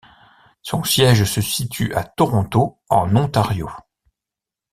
Son siège se situe à Toronto, en Ontario.